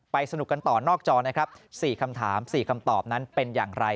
สนุกกันต่อนอกจอนะครับ๔คำถาม๔คำตอบนั้นเป็นอย่างไร